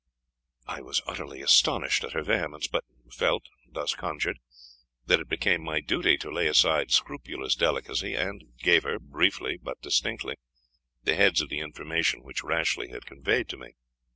I was utterly astonished at her vehemence, but felt, thus conjured, that it became my duty to lay aside scrupulous delicacy, and gave her briefly, but distinctly, the heads of the information which Rashleigh had conveyed to me.